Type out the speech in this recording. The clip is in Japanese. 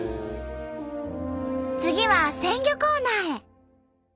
次は鮮魚コーナーへ。